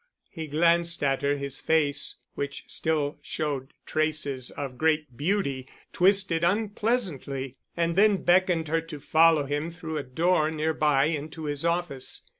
He glanced at her, his face, which still showed traces of great beauty, twisted unpleasantly, and then beckoned her to follow him through a door nearby into his office.